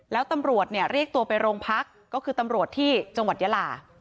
แล้วตำรวจเนี่ยเรียกตัวไปโรงพักก็คือตำรวจที่จังหวัดยาลา